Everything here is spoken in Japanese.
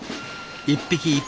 一匹一匹